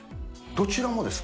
どちらもですか？